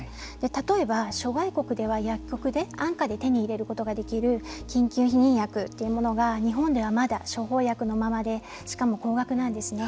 例えば諸外国では薬局で安価で手に入れることができる緊急避妊薬というものが日本では、まだ処方薬のままでしかも高額なんですね。